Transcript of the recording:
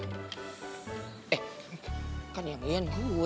eh kan yang ian gue